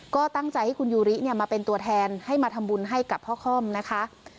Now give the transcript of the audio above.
ก็ตั้งใจให้คุณยูริมาเป็นตัวแทนให้มาทำบุญให้กับพ่อค่อมนะคะ